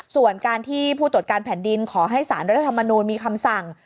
ส่วนการที่ผู้ตรวจการแผ่นดินขอให้สารรัฐธรรมนูลมีคำสั่ง